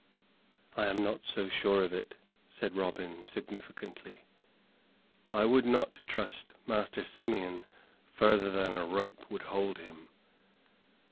"I am not so sure of it," said Robin, significantly; "I would not trust Master Simeon further than a rope would hold him.